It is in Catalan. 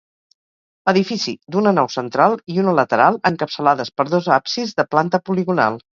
Edifici d'una nau central i una lateral encapçalades per dos absis de planta poligonal.